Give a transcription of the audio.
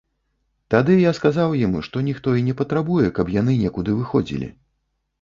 Тады я сказаў ім, што ніхто і не патрабуе, каб яны некуды выходзілі.